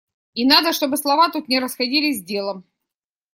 И надо, чтобы слова тут не расходились с делом.